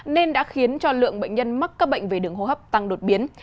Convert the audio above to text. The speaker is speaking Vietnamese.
nên đã khiến cho lượng bệnh nhân mắc các bệnh về đường hô hấp tăng đột biến